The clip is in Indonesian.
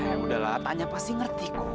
eh udahlah tanya pasti ngerti ko